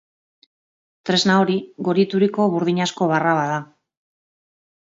Tresna hori gorituriko burdinazko barra bat da.